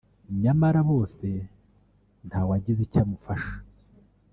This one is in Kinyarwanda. nyamara bose ntawagize icyo amufasha